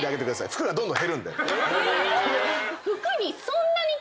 服がどんどん減るんで。